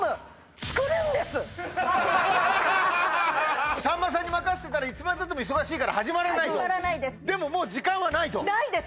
はいさんまさんに任せてたらいつまでたっても忙しいから始まらないでももう時間はないとないです